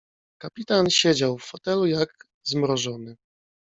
"Kapitan siedział w fotelu, jak zmrożony."